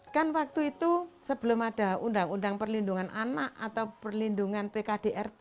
kan waktu itu sebelum ada undang undang perlindungan anak atau perlindungan pkdrt